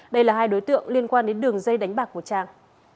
đây là hai đối tượng liên quan đến đường dây đánh bạc của trang